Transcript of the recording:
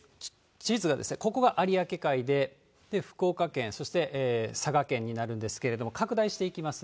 地図が、ここが有明海で、福岡県、そして佐賀県になるんですけれども、拡大していきます。